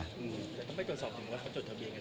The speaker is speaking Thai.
ทำไมก่อนสอบถึงว่าเขาจดทะเบียนกันด้วยมั้ยครับ